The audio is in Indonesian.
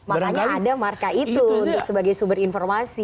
makanya ada marka itu sebagai sumber informasi